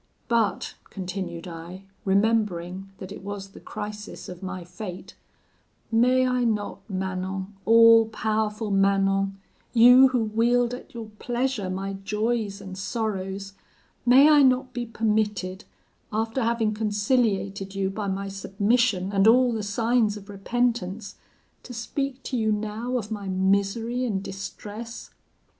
But,' continued I, remembering that it was the crisis of my fate, 'may I not, Manon, all powerful Manon, you who wield at your pleasure my joys and sorrows, may I not be permitted, after having conciliated you by my submission and all the signs of repentance, to speak to you now of my misery and distress?